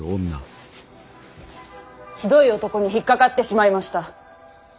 ひどい男に引っ掛かってしまいました。